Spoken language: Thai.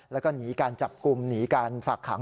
แล้วก็หนีการจับกลุ่มหนีการฝากขัง